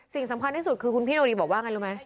สิ่งสำคัญที่สุดคือคุณพี่โนรีบอกว่าไงรู้ไหม